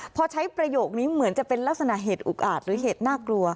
พอใช้ประโยคนี้เหมือนจะเป็นลักษณะเหตุอุกอาจหรือเหตุน่ากลัว